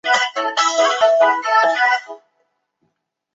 黎圣宗随即决定派兵十八万入侵澜沧。